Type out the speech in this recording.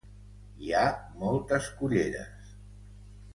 Hi ha moltes culleres.